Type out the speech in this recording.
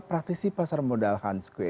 praktisi pasar modal hans kueh